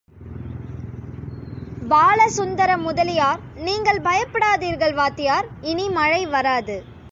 பாலசுந்தர முதலியார் நீங்கள் பயப்படாதீர்கள் வாத்தியார், இனி மழை வராது.